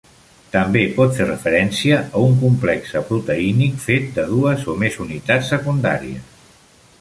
També pot fer referència a un complexe proteínic fet de dues o més unitats secundàries.